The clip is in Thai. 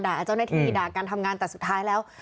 เจ้าหน้าที่ด่าการทำงานแต่สุดท้ายแล้ว